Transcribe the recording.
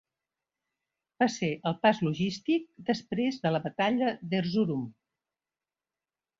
Va ser el pas logístic després de la batalla d'Erzurum.